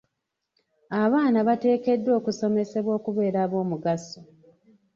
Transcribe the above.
Abaana bateekeddwa okusomesebwa okubeera ab'omugaso.